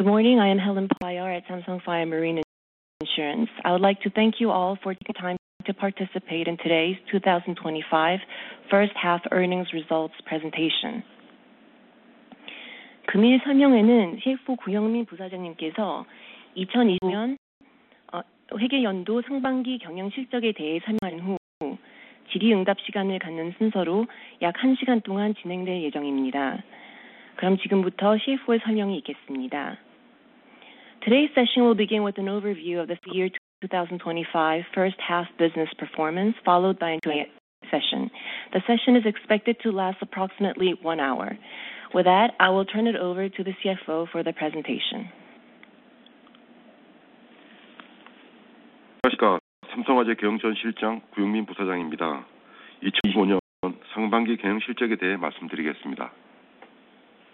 Good morning. I am Helen Poppa IR at Samsung Fire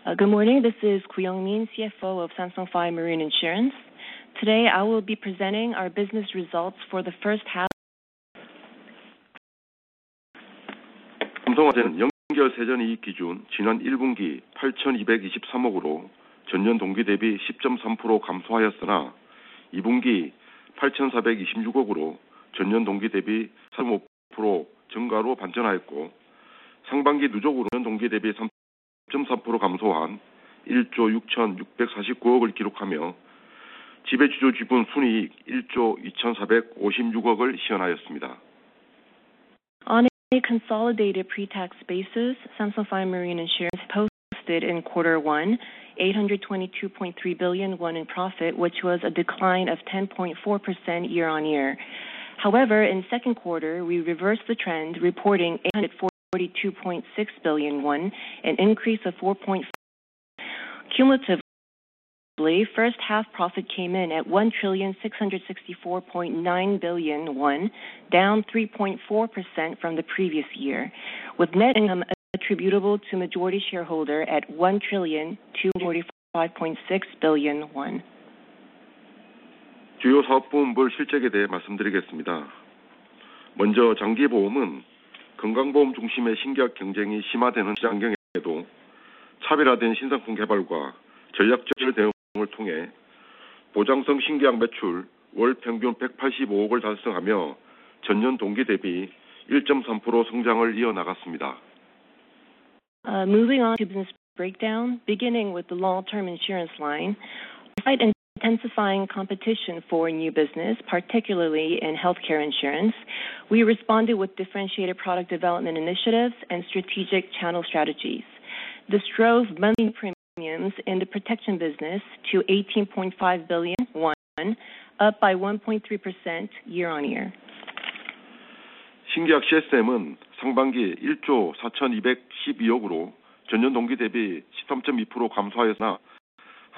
Marine Insurance. I would like to thank you all for taking time to participate in today's twenty twenty five First Half Earnings Results Presentation. Today's session will begin with an overview of the fiscal year twenty twenty five first half business performance followed by a 28 session. The session is expected to last approximately one hour. With that, I will turn it over to the CFO for the presentation. Good morning. This is Koo Young Min, CFO of Saint Song Phi Marine Insurance. Today, I will be presenting our business results for the first On a consolidated pretax basis, Central Fine Marine Insurance posted in quarter one 822,300,000,000.0 in profit, which was a decline of 10.4% year on year. However, in second quarter, we reversed the trend reporting KRW 842,600,000,000.0, an increase of 4.5%. Cumulatively, first half profit came in at KRW 1,664,900,000,000.0, down 3.4% from the previous year, with net income attributable to majority shareholder at KRW 1,002 and 45,600,000,000.0. Moving on to business breakdown, beginning with the long term insurance line. Despite intensifying competition for new business, particularly in healthcare insurance, we responded with differentiated product development initiatives and strategic channel strategies. This drove monthly premiums in the protection business to KRW 18,500,000,000.0, up by 1.3% year on year.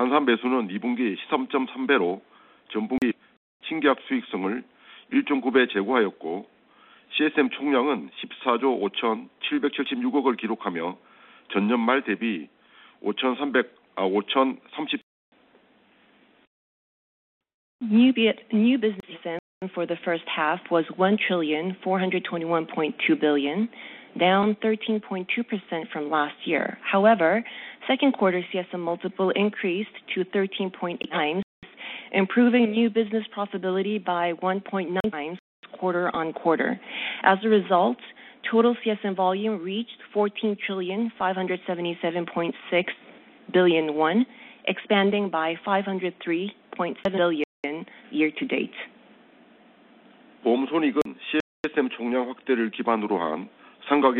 New business segment for the first half was 1,421,200,000,000 down 13.2% from last year. However, second quarter CSM multiple increased to 13.8 times, improving revenue business profitability by 1.9 times quarter on quarter. As a result, total CSN volume reached 14,577,600,000,000.0 won, expanding by 503,700,000,000.0 year to date. Despite an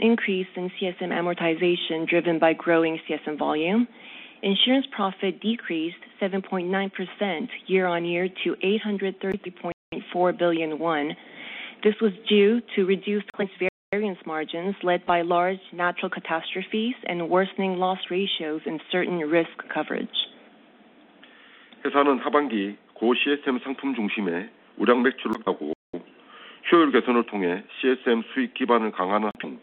increase in CSM amortization driven by growing CSM volume, insurance profit decreased 7.9% year on year to 830,400,000,000.0 won. This was due to reduced client's variance margins led by large natural catastrophes and worsening loss ratios in certain risk coverage. In the second half, we'll focus on generating quality revenue from high CSM margin products while strengthening the foundation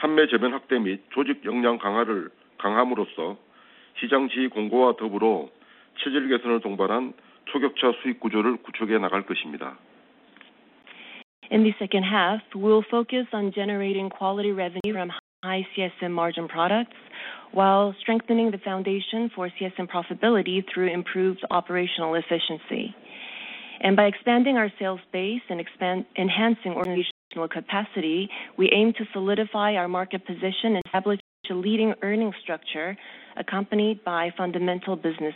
for CSM profitability through improved operational efficiency. And by expanding our sales base and enhancing organizational capacity, we aim to solidify our market position and establish a leading earnings structure accompanied by fundamental business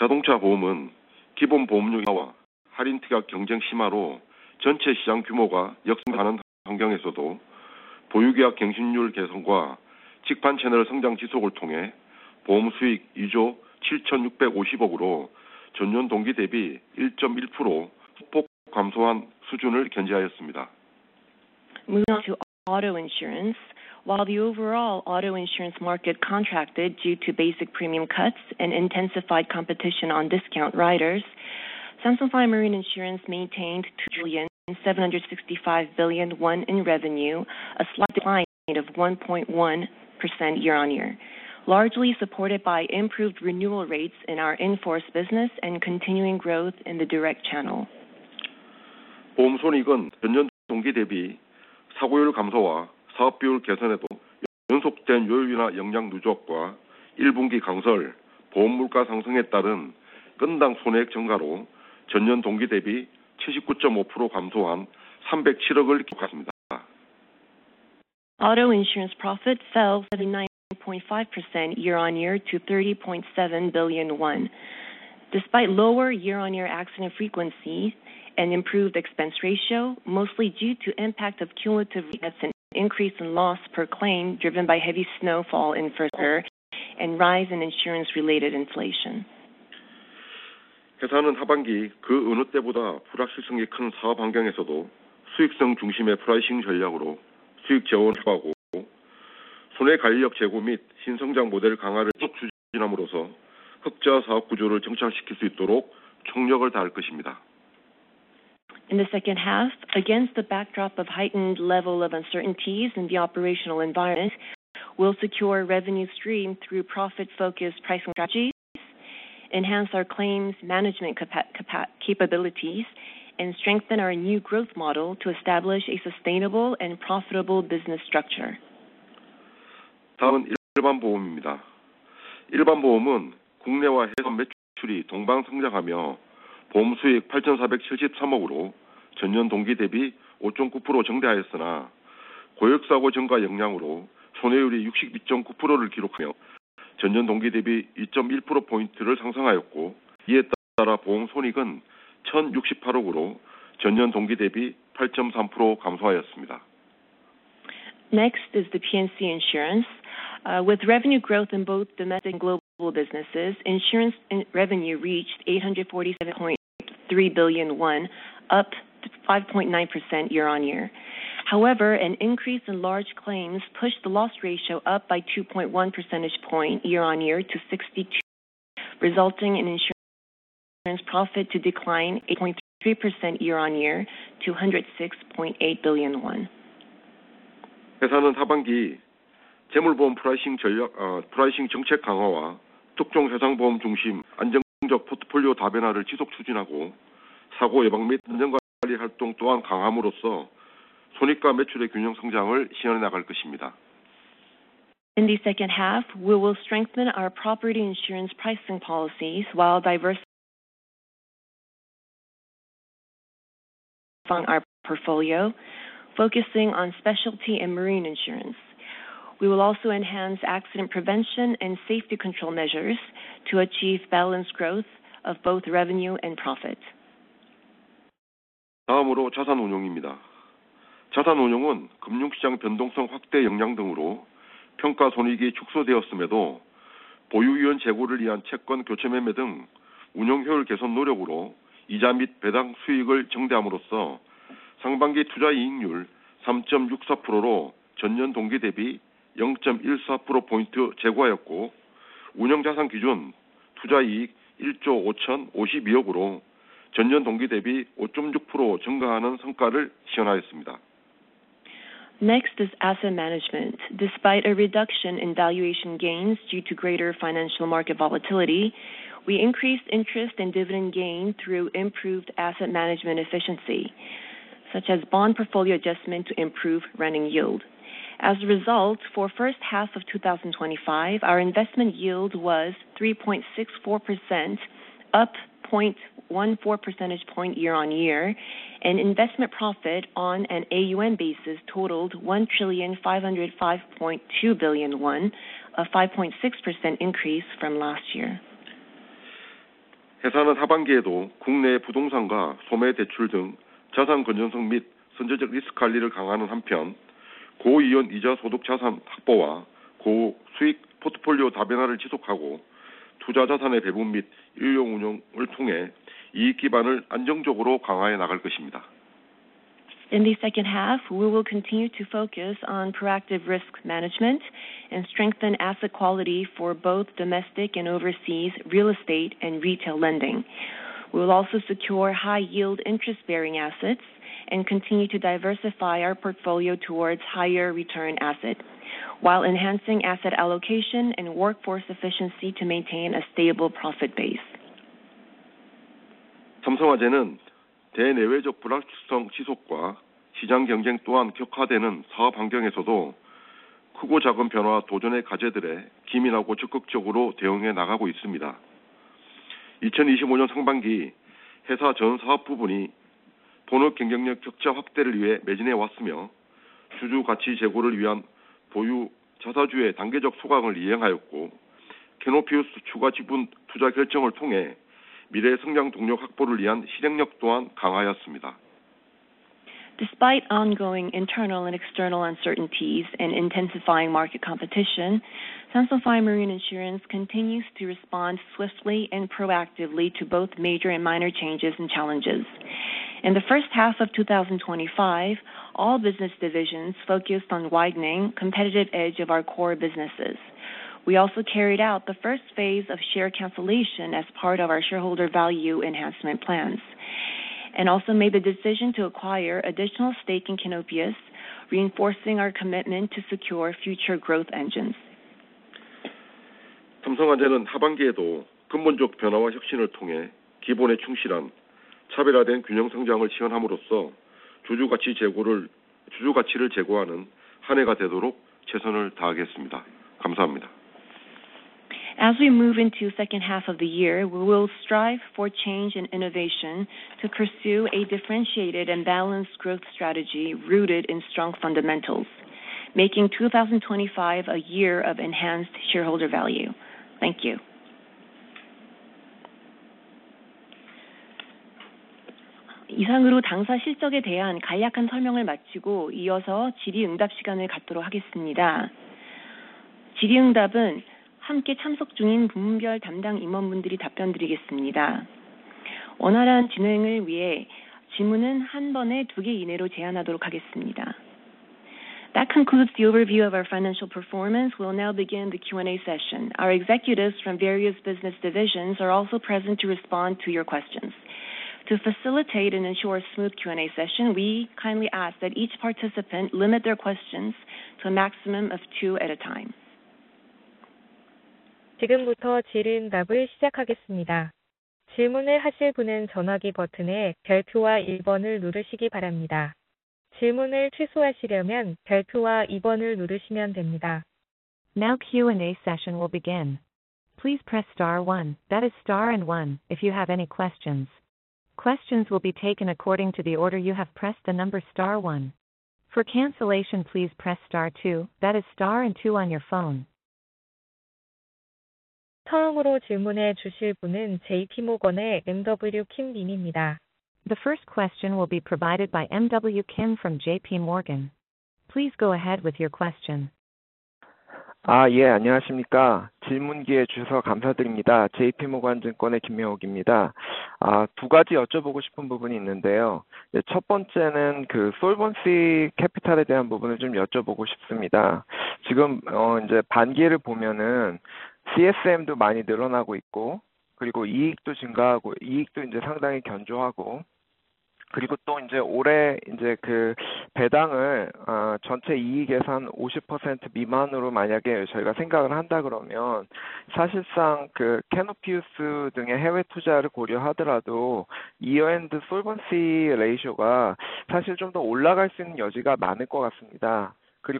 improvement. Moving on to auto insurance. While the overall auto insurance market contracted due to basic premium cuts and intensified competition on discount riders, Samsung Prime Marine Insurance maintained 2,765 billion in revenue, a slight decline of 1.1% year on year, largely supported by improved renewal rates in our in force business and continuing growth in the direct channel. Auto insurance profit fell 79.5 year on year to 30,700,000,000.0 despite lower year on year accident frequency and improved expense ratio mostly due to impact of cumulative weakness and increase in loss per claim driven by heavy snowfall in first and rise in insurance related inflation. In the second half, against the backdrop of heightened level of uncertainties in the operational environment, we'll secure revenue stream through profit focused pricing strategies, enhance our claims management capabilities and strengthen our new growth model to establish a sustainable and profitable business structure. Next is the P and C insurance. With revenue growth in both domestic and global businesses, insurance revenue reached 847,300,000,000.0 won, up 5.9% year on year. However, an increase in large claims pushed the loss ratio up by 2.1 percentage point year on year to 62, resulting in insurance profit to decline 8.3% year on year to 106,800,000,000.0. The second half, we will strengthen our property insurance pricing policies while diversifying our portfolio focusing on specialty and marine insurance. We will also enhance accident prevention and safety control measures to achieve balanced growth of both revenue and profit. Next is asset management. Despite a reduction in valuation gains due to greater financial market volatility, we increased interest and dividend gain through improved asset management efficiency, such as bond portfolio adjustment to improve running yield. As a result for 2025, our investment yield was 3.64%, up 0.14 percentage point year on year and investment profit on an AUM basis totaled 1,505,200,000,000.0 won, a 5.6% increase from last year. In the second half, we will continue to focus on proactive risk management and strengthen asset quality for both domestic and overseas real estate and retail lending. We will also secure high yield interest bearing assets and continue to diversify our portfolio towards higher return asset, while enhancing asset allocation and workforce efficiency to maintain a stable profit base. Despite ongoing internal and external uncertainties and intensifying market competition, Tensile Fire Marine Insurance continues to respond swiftly and proactively to both major and minor changes and challenges. In the 2025, all business divisions focused on widening competitive edge of our core businesses. We also carried out the first phase of share cancellation as part of our shareholder value enhancement plans and also made the decision to acquire additional stake in Canopius, reinforcing our commitment to secure future growth engines. As we move into second half of the year, we will strive for change and innovation to pursue a differentiated and balanced growth strategy rooted in strong fundamentals, making $20.25 a year of enhanced shareholder value. Thank you. That concludes the overview of our financial performance. We'll now begin the Q session. Our executives from various business divisions are also present to respond to your questions. Now q and a session will begin. Please press 1. That is star and 1 if you have any questions. Questions will be taken according to the order you have pressed the number 1. For cancellation, please press 2. That is star and 2 on your phone. The first question will be provided by MW Kim from JPMorgan. Please go ahead with your question. Yes.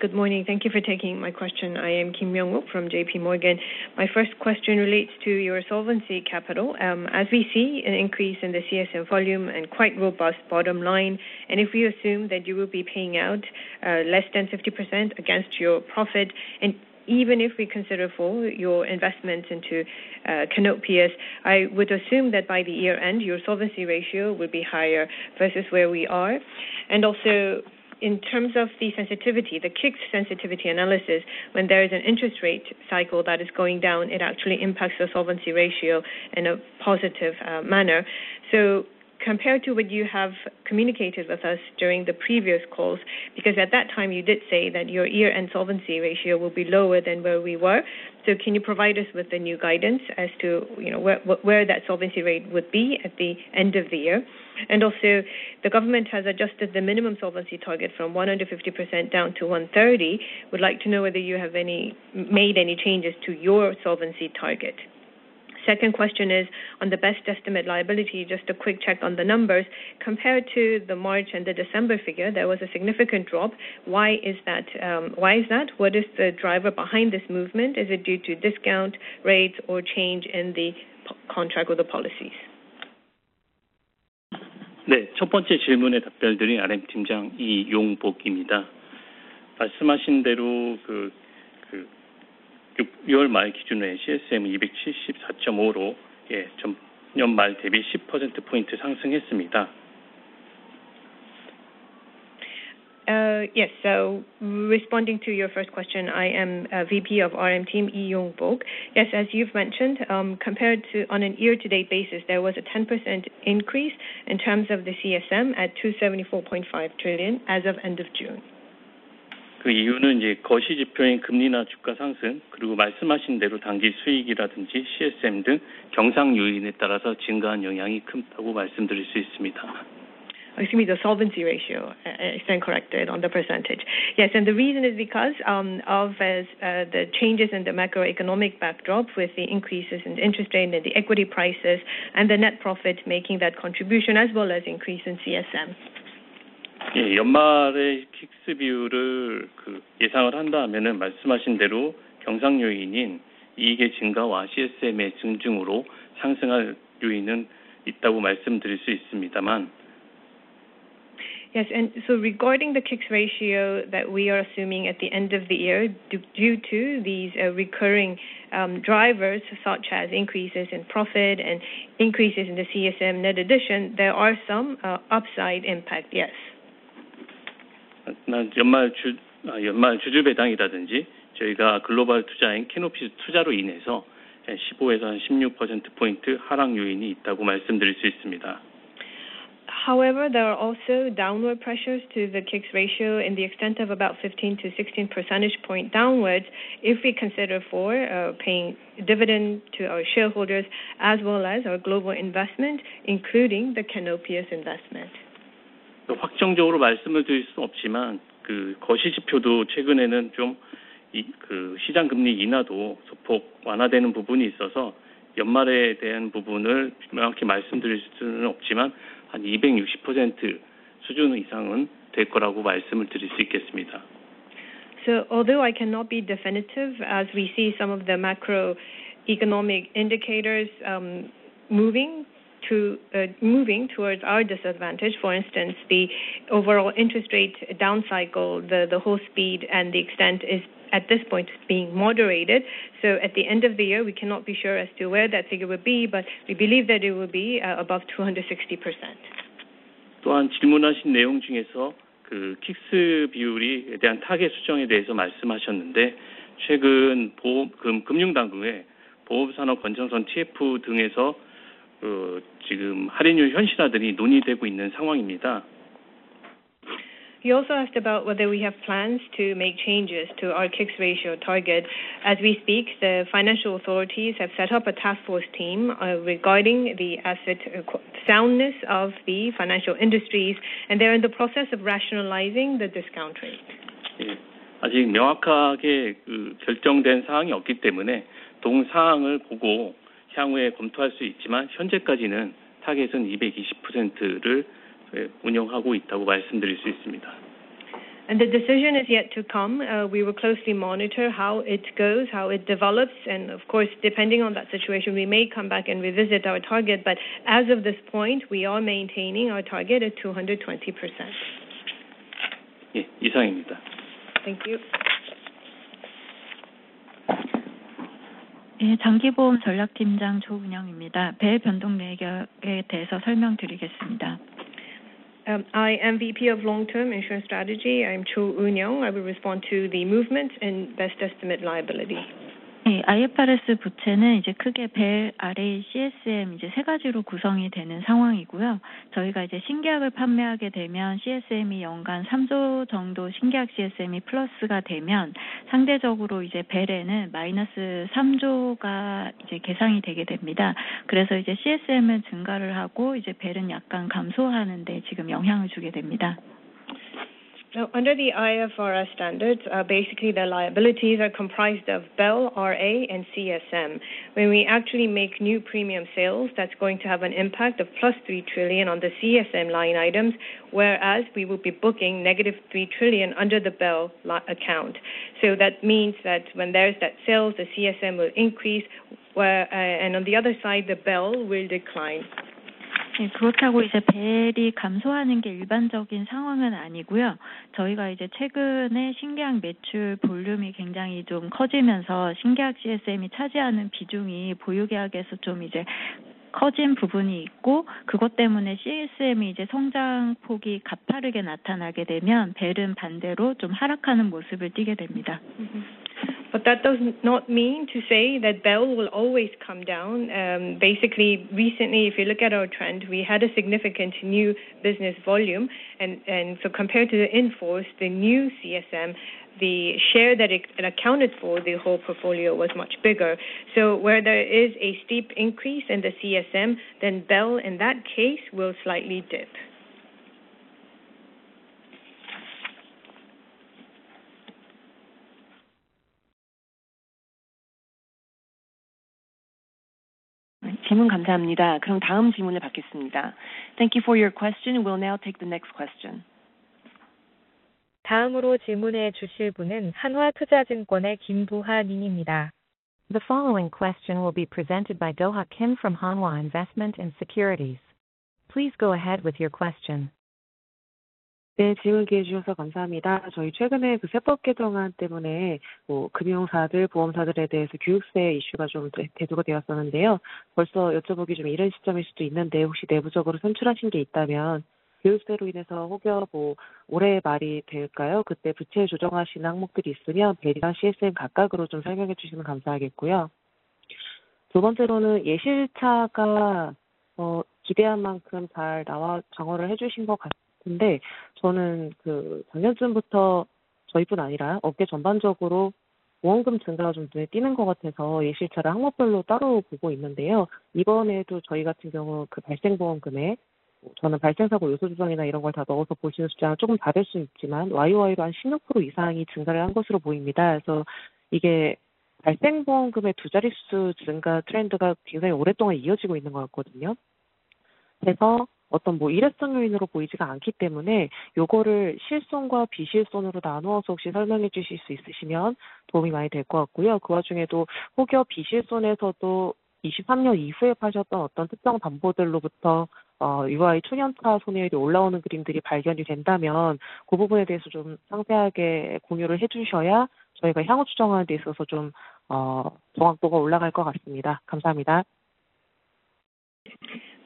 Good morning. Thank you for taking my question. I am Kim Young wook from JPMorgan. My first question relates to your solvency capital. As we see an increase in the CSM volume and quite robust bottom line, and if we assume that you will be paying out less than 50% against your profit and even if we consider for your investments into Canopias, I would assume that by the year end, your solvency ratio would be higher versus where we are. And also in terms of the sensitivity, the kick sensitivity analysis, when there is an interest rate cycle that is going down, it actually impacts the solvency ratio in a positive manner. So compared to what you have communicated with us during the previous calls, because at that time you did say that your year end solvency ratio will be lower than where we were. So can you provide us with the new guidance as to where that solvency rate would be at the end of the year? And also, the government has adjusted the minimum solvency target from 150% down to 130%. Would like to know whether you have any made any changes to your solvency target? Second question is on the best estimate liability, just a quick check on the numbers. Compared to the March and the December figure, there was a significant drop. Why is that? What is the driver behind this movement? Is it due to discount rates or change in the contract with the policies? Yes. So responding to your first question, I am VP of RM team, Lee Yong Bok. Yes, as you've mentioned, compared to on an year to date basis, there was a 10% increase in terms of the CSM at 274,500,000,000,000.0 as of June. Excuse me, the solvency ratio, I think correct it on the percentage. Yes. And the reason is because, of the changes in the macroeconomic backdrop with the increases in interest rate and the equity prices and the net profit making that contribution as well as increase in CSM. Yes. And so regarding the kicks ratio that we are assuming at the end of the year due to these recurring drivers such as increases in profit and increases in the CSM net addition, there are some upside impact, yes. However, there are also downward pressures to the kicks ratio in the extent of about 15 to 16 percentage point downwards if we consider for paying dividend to our shareholders as well as our global investment, including the Canopius investment. So although I cannot be definitive as we see some of the macro economic indicators moving towards our disadvantage, for instance, the overall interest rate down cycle, the whole speed and the extent is at this point being moderated. So at the end of the year, we cannot be sure as to where that figure would be, but we believe that it will be above 260%. You also asked about whether we have plans to make changes to our Kicks ratio target. As we speak, the financial authorities have set up a task force team regarding the asset soundness of the financial industries, and they're in the process of rationalizing the discount rate. And the decision is yet to come. We will closely monitor how it goes, how it develops. And of course, depending on that situation, we may come back and revisit our target. But as of this point, we are maintaining our target at 220%. I am VP of long term insurance strategy. I'm Cho Eun Young. I will respond to the movement and best estimate liability. So under the IFRS standards, basically, liabilities are comprised of Bell, RA and CSM. When we actually make new premium sales, that's going to have an impact of plus 3 trillion on the CSM line items, whereas we will be booking negative 3 trillion under the Bell account. So that means that when there is that sales, the CSM will increase and on the other side, the Bell will decline. But that does not mean to say that Bell will always come down. Basically, recently, if you look at our trend, we had a significant new business volume. And so compared to the in force, the new CSM, the share that accounted for the whole portfolio was much bigger. So where there is a steep increase in the CSM, then Bell in that case will slightly dip. Thank you for your question. We'll now take the next question. The following question will be presented by Doha Kim from Hanwha Investment and Securities. Please go ahead with your question.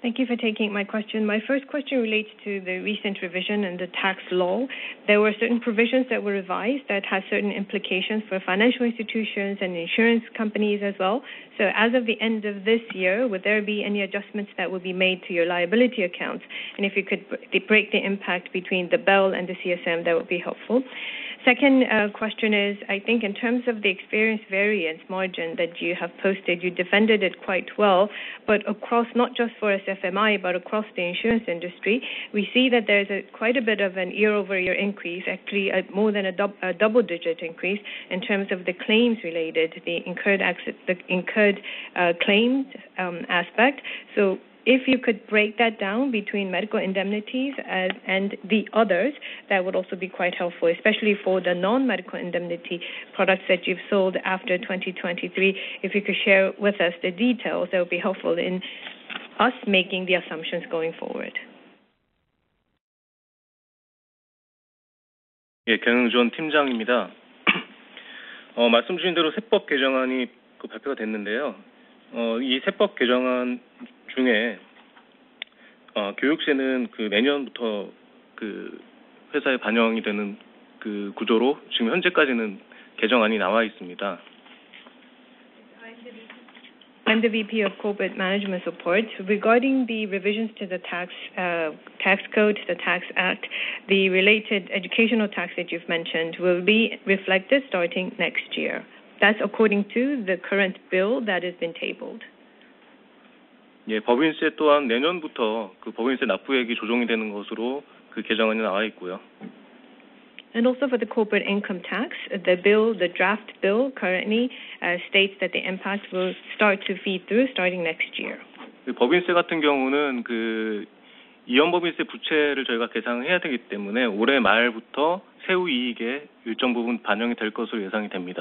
Thank you for taking my question. My first question relates to the recent revision in the tax law. There were certain provisions that were revised that had implications for financial institutions and insurance companies as well. So as of the end of this year, would there be any adjustments that will be made to your liability accounts? And if you could break the impact between the Bell and the CSM, that would be helpful. Second question is, I think in terms of the experience variance margin that you have posted, you defended it quite well, but across not just for SFMI, but across the insurance industry, we see that there's quite a bit of an year over year increase, actually more than a double digit increase in terms of the claims related, the incurred claims aspect. So if you could break that down between medical indemnities and the others, that would also be quite helpful, especially for the nonmedical indemnity products that you've sold after 2023. If you could share with us the details that will be helpful in us making the assumptions going forward. I'm the VP of Corporate Management Support. Regarding the revisions to the tax code, the Tax Act, the related educational tax that you've mentioned will be reflected starting next year. That's according to the current bill that has been tabled. And also for the corporate income tax, the bill the draft bill currently, states that the impact will start to feed through starting next year. So in terms of the corporate income tax, we do have to recognize and account for the deferred tax asset. So starting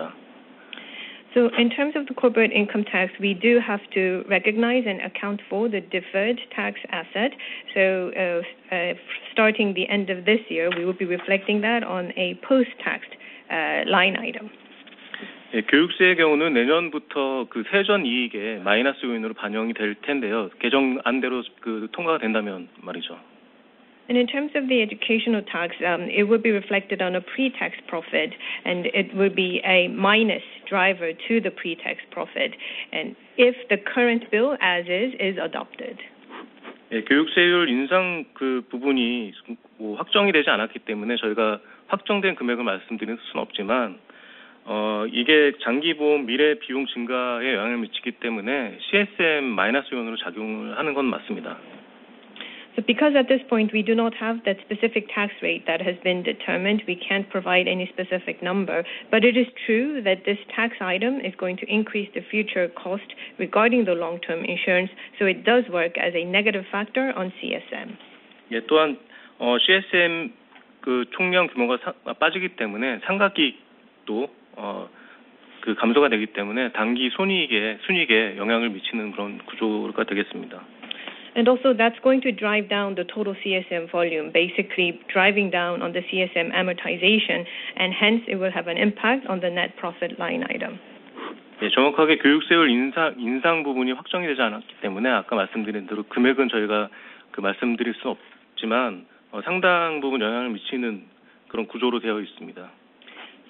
the end of this year, we will be reflecting that on a post tax line item. And in terms of the educational tax, it will be reflected on a pretax profit and it will be a minus driver to the pretax profit. And if the current bill as is adopted. So because at this point, we do not have that specific tax rate that has been determined, we can't provide any specific number. But it is true that this tax item is going to increase the future cost regarding the long term insurance. So it does work as a negative factor on CSM. And also that's going to drive down the total CSM volume, basically driving down on the CSM amortization and hence it will have an impact on the net profit line item. So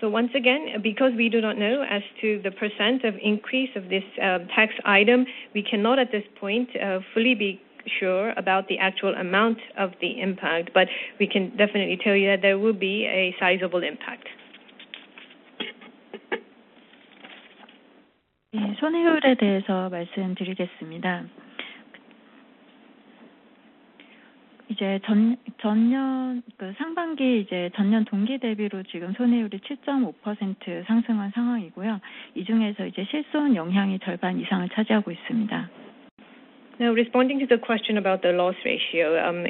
once again, because we do not know as to the percent of increase of this tax item, we cannot at this point fully be sure about the actual amount of the impact, but we can definitely tell you that there will be a sizable impact. Now responding to the question about the loss ratio,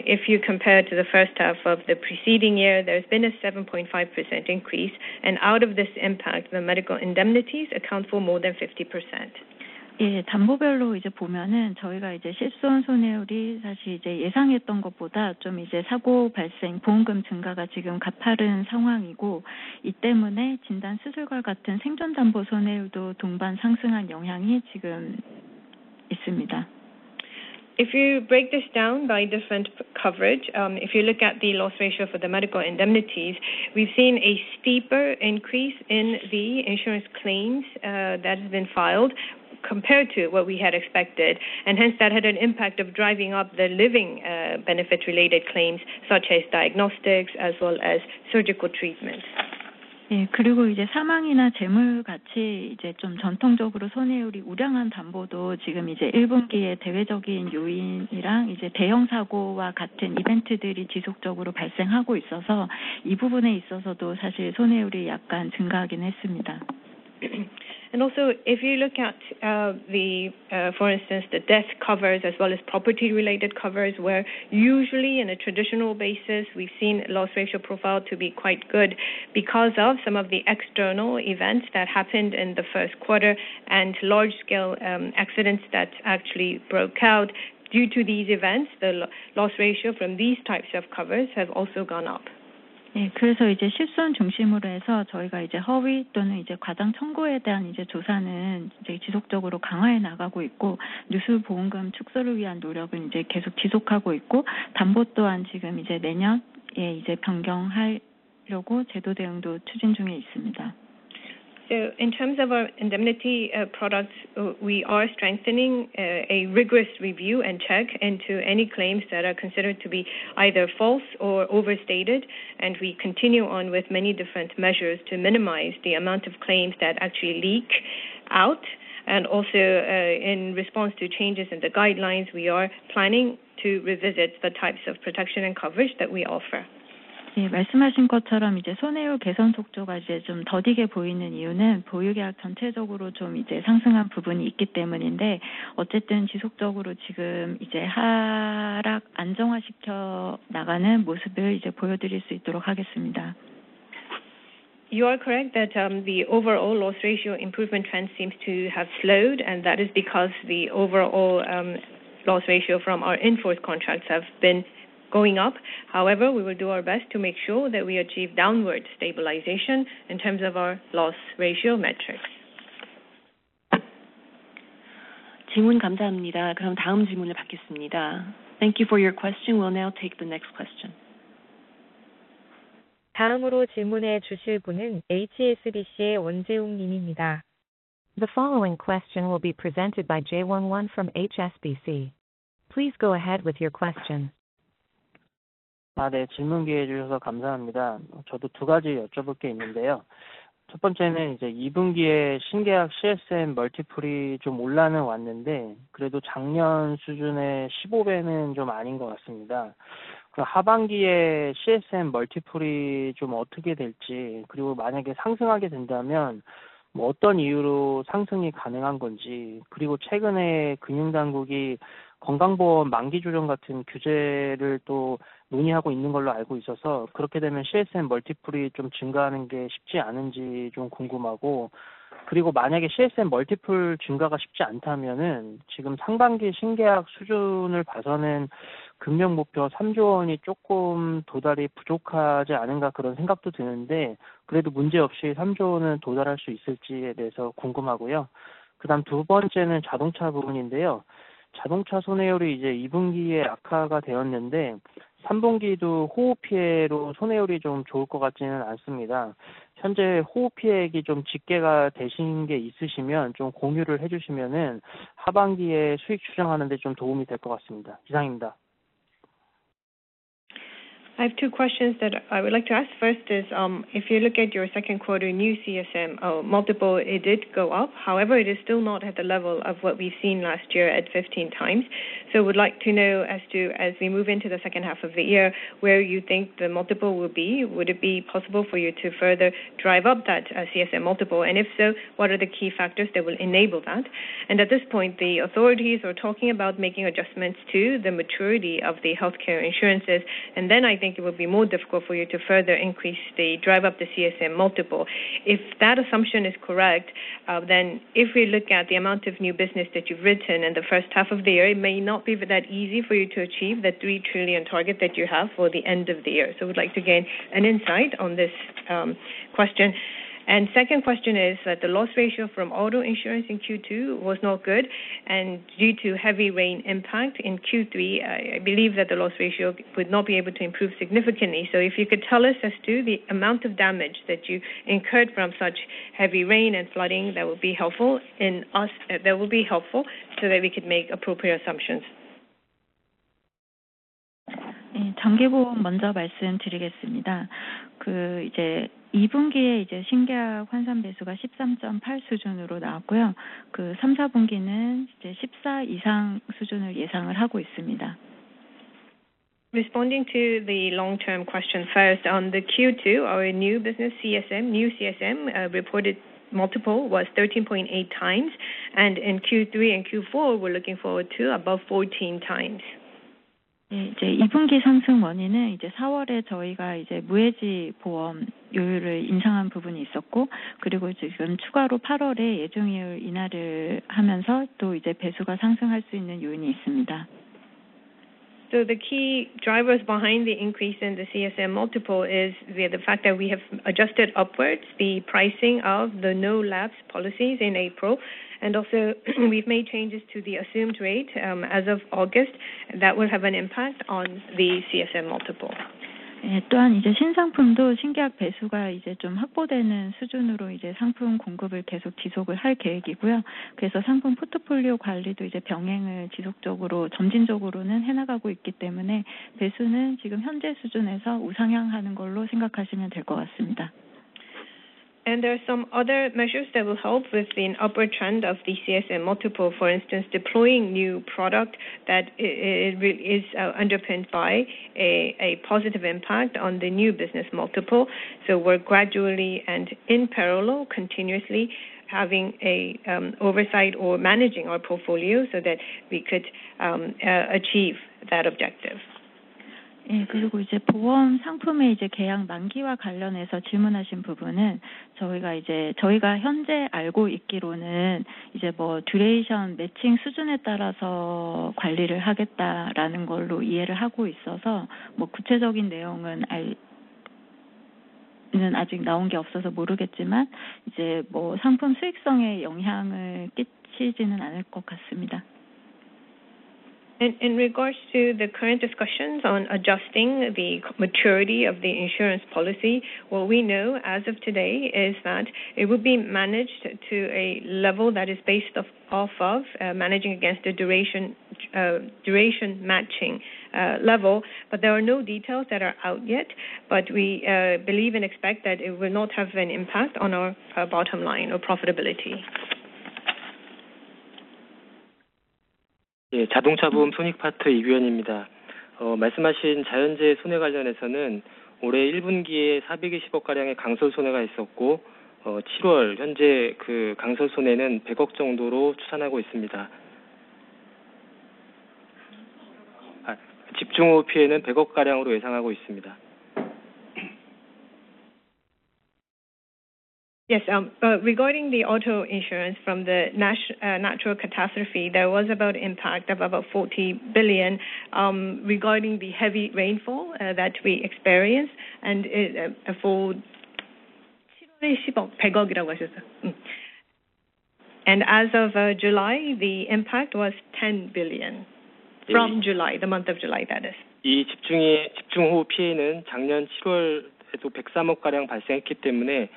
if you compare to the first half of the preceding year, there has been a 7.5% increase. And out of this impact, the medical indemnities account for more than 50%. If you break this down by different coverage, if you look at the loss ratio for the medical indemnities, we've seen a steeper increase in the insurance claims that have been filed compared to what we had expected. And hence, that had an impact of driving up the living benefit related claims such as diagnostics as well as surgical treatments. And also if you look at the for instance, the death covers as well as property related covers where usually in a traditional basis, we seen loss ratio profile to be quite good because of some of the external events that happened in the first quarter and large scale accidents that actually broke out. Due to these events, the loss ratio from these types of covers have also gone up. So in terms of our indemnity products, we are strengthening a rigorous review and check into any claims that are considered to be either false or overstated, and we continue on with many different measures to minimize the amount of claims that actually leak out. And also, in response to changes in the guidelines, we are planning to revisit the types of protection and coverage that we offer. You are correct that the overall loss ratio improvement trend seems to have slowed and that is because the overall loss ratio from our in force contracts have been going up. However, we will do our best to make sure that we achieve downward stabilization in terms of our loss ratio metrics. Thank you for your question. We'll now take the next question. The following question will be presented by Jay Won Won from HSBC. Please go ahead with your question. I have two questions that I would like to ask. First is, if you look at your second quarter new CSM multiple, it did go up. However, it is still not at the level of what we've seen last year at 15 times. So would like to know as to as we move into the second half of the year, where you think the multiple will be? Would it be possible for you to further drive up that CSM multiple? And if so, what are the key factors that will enable that? And at this point, the authorities are talking about making adjustments to the maturity of the health care insurances. And then I think it will be more difficult for you to further increase the drive up the CSM multiple. If that assumption is correct, then if we look at the amount of new business that you've written in the first half of the year, it may not be that easy for you to achieve the trillion target that you have for the end of the year. So we'd like to gain an insight on this question. And second question is that the loss ratio from auto insurance in Q2 was not good. And due to heavy rain impact in Q3, I believe that the loss ratio would not be able to improve significantly. So if you could tell us as to the amount of damage that you incurred from such heavy rain and flooding, that will be helpful. And us, that will be helpful so that we could make appropriate assumptions. Responding to the long term question first, on the Q2, our new business CSM, new CSM reported multiple was 13.8 times. And in Q3 and Q4, we're looking forward to above 14 times. So the key drivers behind the increase in the CSM multiple is the fact that we have adjusted upwards the pricing of the no lapse policies in April. And also, we've made changes to the assumed rate as of August that will have an impact on the CSM multiple. And there are some other measures that will help with the upward trend of the CSM multiple, for instance, deploying new product that is underpinned by a positive impact on the new business multiple. So we're gradually and in parallel continuously having a oversight or managing our portfolio so that we could achieve that objective. In regards to the current discussions on adjusting the maturity of the insurance policy, what we know as of today is that it will be managed to a level that is based off of managing against the duration matching level, but there are no details that are out yet. But we believe and expect that it will not have an impact on our bottom line or profitability. Yes. Regarding the auto insurance from the natural catastrophe, there was about impact of about 40,000,000,000, regarding the heavy rainfall, that we experienced. And as of, July, the impact was 10,000,000,000 from July, the month of July that is. And the damage that was incurred from such heavy rainfall, is quite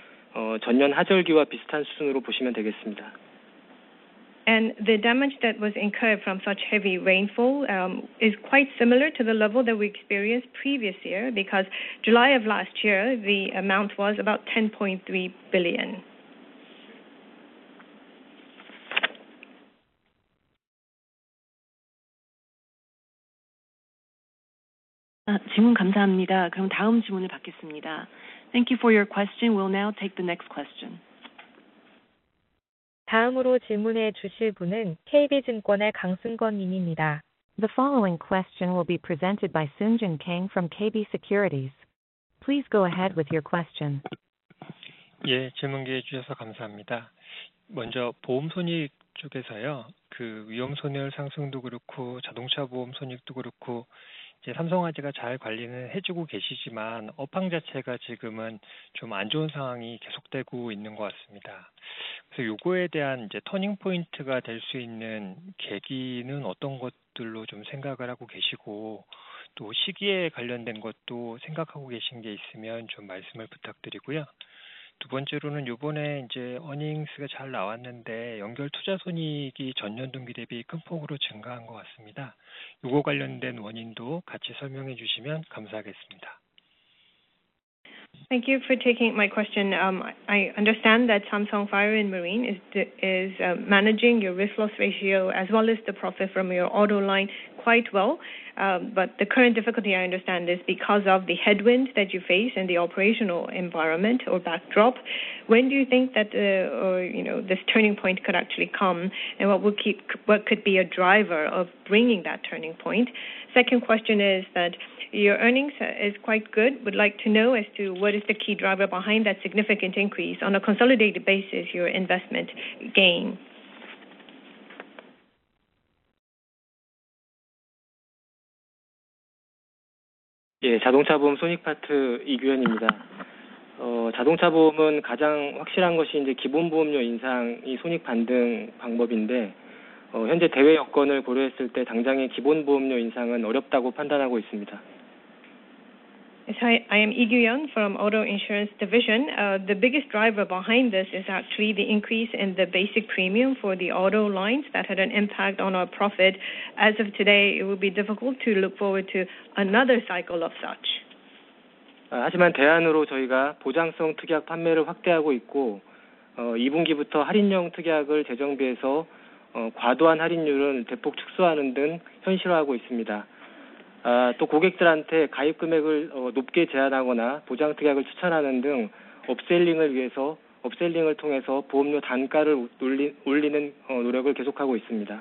similar to the level that we experienced previous year because July, the amount was about 10,300,000,000.0. Thank you for your question. We'll now take the next question. The following question will be presented by Sunjin Kang from KB Securities. Please go ahead with your question. Thank you for taking my question. I understand that Samsung Fire and Marine is managing your risk loss ratio as well as the profit from your auto line quite well. But the current difficulty, I understand, is because of the headwinds that you face in the operational environment or backdrop. When do you think that this turning point could actually come? And what will keep what could be a driver of bringing that turning point? Second question is that your earnings is quite good. Would like to know as to what is the key driver behind that significant increase on a consolidated basis your investment gain? I am Lee Kyung from auto insurance division. The biggest driver behind this is actually the increase in the basic premium for the auto lines that had an impact on our profit. As of today, it will be difficult to look forward to another cycle of such.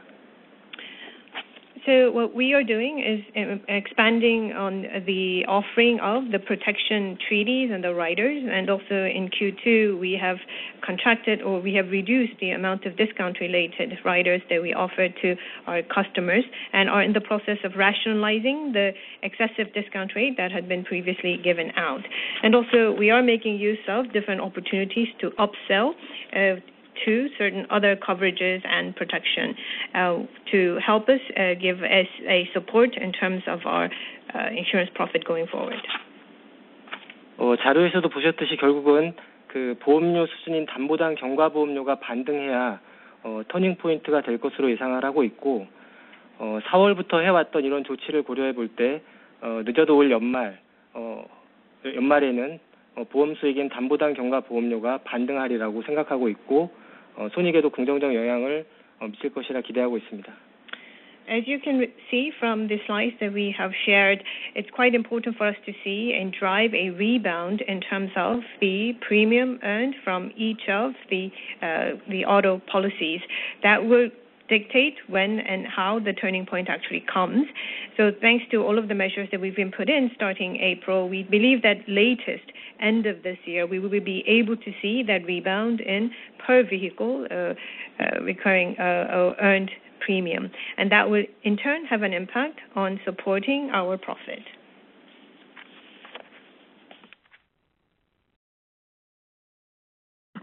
So what we are doing is expanding on the offering of the protection treaties and the riders. And also in Q2, we have contracted or we have reduced the amount of discount related riders that we offer to our customers and are in the process of rationalizing the excessive discount rate that had been previously given out. And also, we are making use of different opportunities to upsell to certain other coverages and protection to help us give us a support in terms of our insurance profit going forward. As you can see from the slides that we have shared, it's quite important for us to see and drive a rebound in terms of the premium earned from each of the auto policies that will dictate when and how the turning point actually comes. So thanks to all of the measures that we've been put in starting April, we believe that latest end of this year, we will be able to see that rebound in per vehicle recurring earned premium. And that would in turn have an impact on supporting our profit.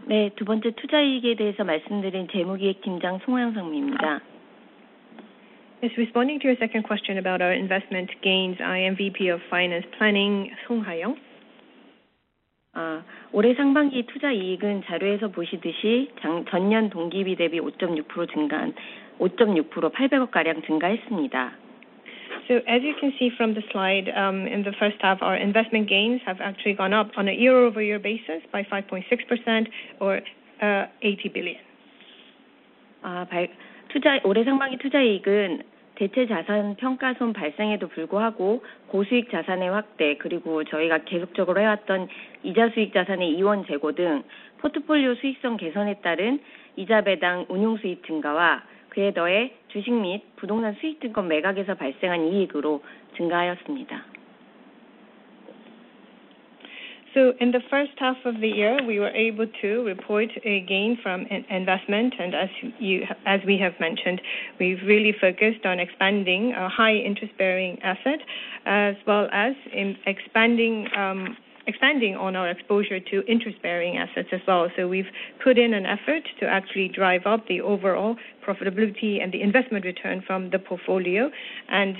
Yes. Responding to your second question about our investment gains, I am VP of Finance Planning, Song Hyeong. So as you can see from the slide, in the first half, our investment gains have actually gone up on a year over year basis by 5.6% or 80,000,000,000. So in the first half of the year, we were able to report a gain from investment. And as we have mentioned, we've really focused on expanding our high interest bearing asset as well as expanding on our exposure to interest bearing assets as well. So we've put in an effort to actually drive up the overall profitability and the investment return from the portfolio and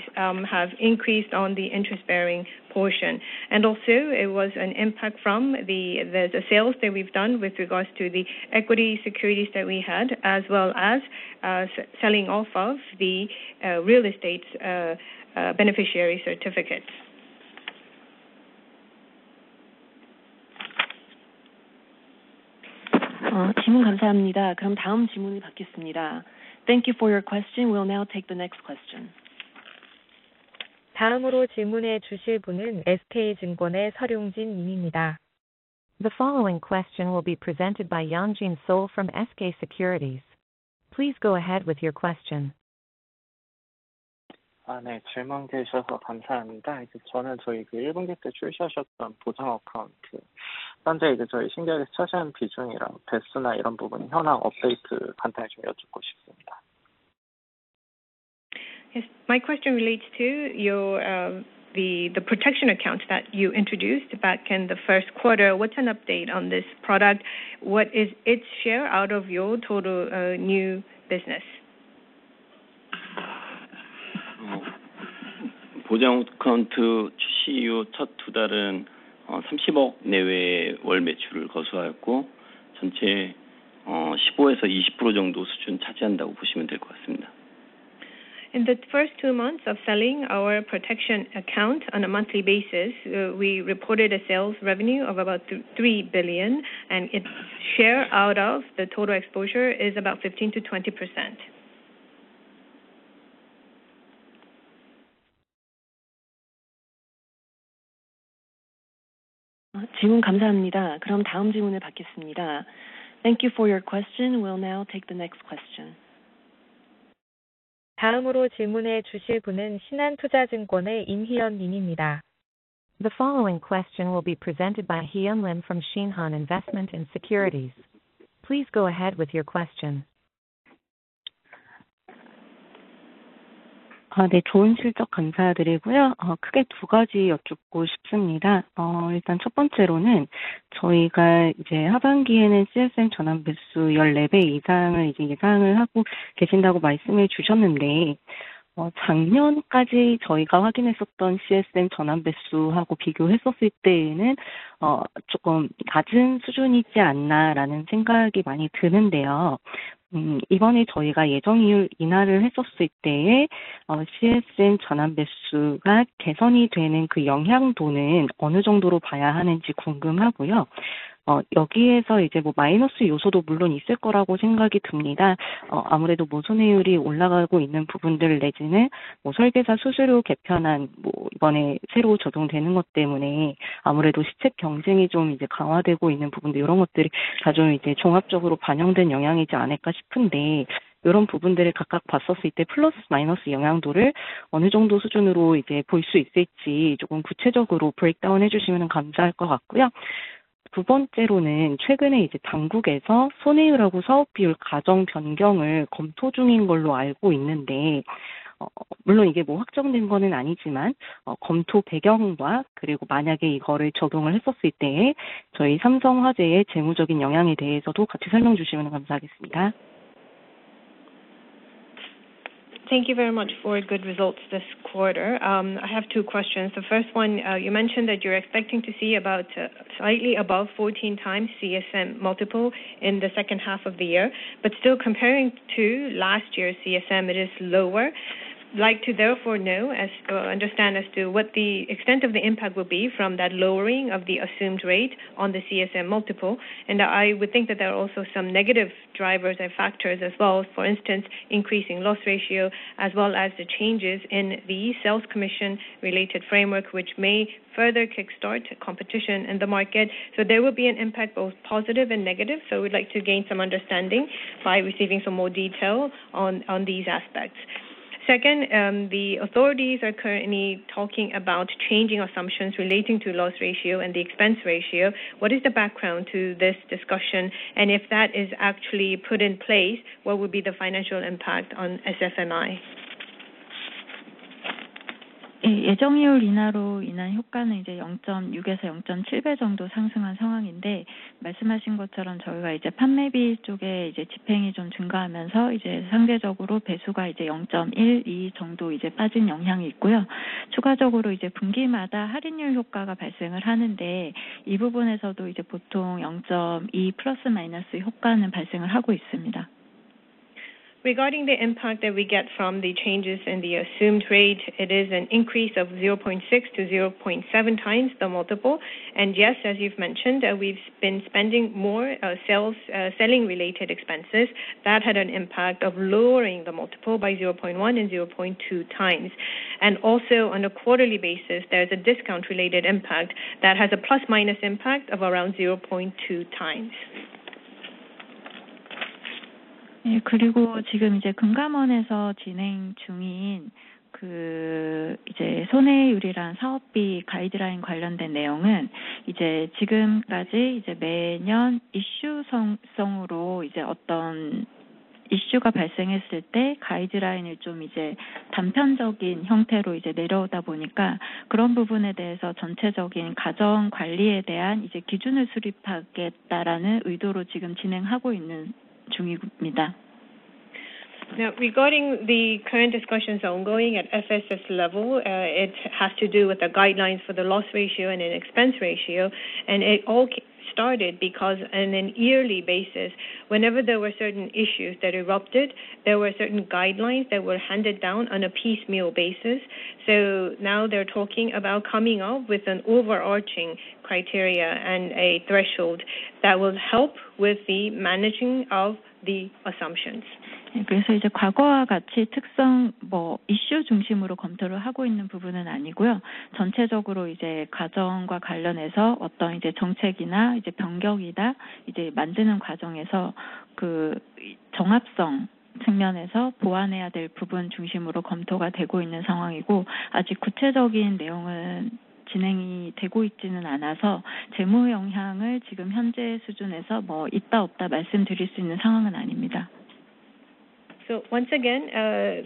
have increased on the interest bearing portion. And also, it was an impact from the sales that we've done with regards to the equity securities that we had as well as selling off of the real estate beneficiary certificates. Thank you very much for good results this quarter. I have two questions. The first one, you mentioned that you're expecting to see about slightly above 14 times CSM multiple in the second half of the year, but still comparing to last year's CSM, it is lower. Like to therefore know as to understand as to what the extent of the impact will be from that lowering of the assumed rate on the CSM multiple. And I would think that there are also some negative drivers and factors as well, for instance, increasing loss ratio as well as the changes in the sales commission related framework, which may further kick start competition in the market. So there will be an impact both positive and negative. So we'd like to gain some understanding by receiving some more detail on these aspects. Second, the authorities are currently talking about changing assumptions relating to loss ratio and the expense ratio. What is the background to this discussion? And if that is actually put in place, what would be the financial impact on Regarding the impact that we get from the changes in the assumed rate, it is an increase of 0.6 to 0.7 times the multiple. And yes, as you've mentioned, we've been spending more sales selling related expenses that had an impact of lowering the multiple by zero point one and zero point two times. And also on a quarterly basis, there is a discount related impact that has a plusminus impact of around 0.2x. Now regarding the current discussions ongoing at SSS level, it has to do with the guidelines for the loss ratio and an expense ratio. And it all started because on an yearly basis, whenever there were certain issues that erupted, there were certain guidelines that were handed down on a piecemeal basis. So now they're talking about coming up with an overarching criteria and a threshold that will help with the managing of the assumptions. So once again,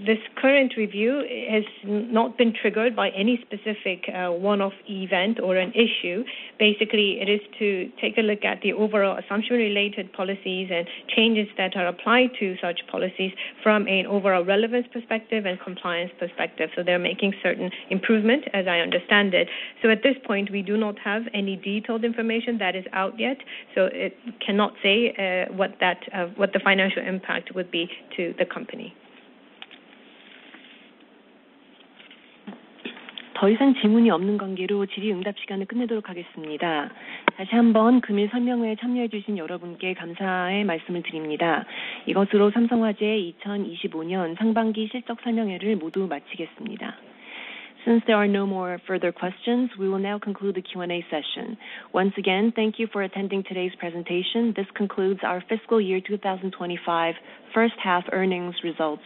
this current review has not been triggered by any specific one off event or an issue. Basically, it is to take a look at the overall assumption related policies and changes that are applied to such policies from an overall relevance perspective and compliance perspective. So they're making certain improvement as I understand it. So at this point, we do not have any detailed information that is out yet. So it cannot say what that what the financial impact would be to the company. Since there are no more further questions, we will now conclude the Q and A session. Once again, thank you for attending today's presentation. This concludes our fiscal year twenty twenty five first half earnings results